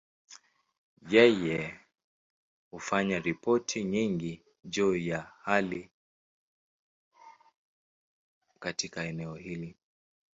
Yeye hufanya ripoti nyingi juu ya hali katika eneo hili.